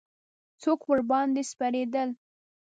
څوک ورباندې سپرېدل.